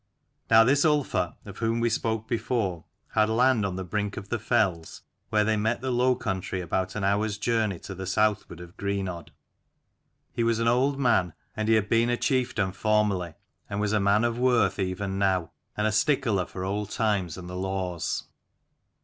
Now this Ulfar, of whom we spoke before, had land on the brink of the fells where they met the low country, about an hour's journey to the southward of Greenodd. He was an old man, and he had been a chieftain formerly, and was a man of worth even now, and a stickler for old times and the old laws.